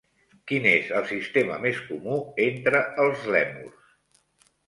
Quin és el sistema més comú entre els lèmurs?